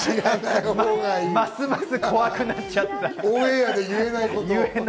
ますます怖くなっちゃった。